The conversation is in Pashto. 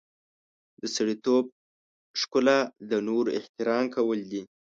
د سړیتوب ښکلا د نورو احترام کول دي.